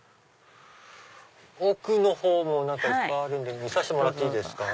奥のほうもいっぱいあるんで見させてもらっていいですか？